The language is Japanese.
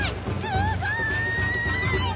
すごーい！